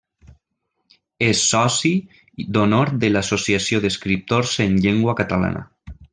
És soci d'honor de l'Associació d'Escriptors en Llengua Catalana.